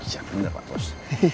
iya bener pak bos